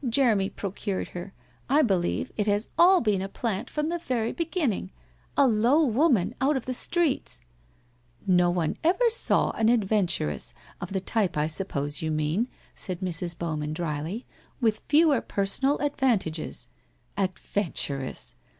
Jeremy procured her. I believe it has all been a plant from the very be ginning. A low woman out of the streets !'' No one ever saw an adventuress, of the type I suppose you mean,' said Mrs. Bowman drily, ' with fewer personal advantages. Adventuress!